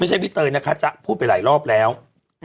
ไม่ใช่ไปเติตนะคะจะพูดไปหลายรอบแล้วเอ่อ